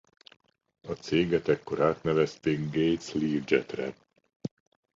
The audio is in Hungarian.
A céget ekkor átnevezték Gates Learjet-re.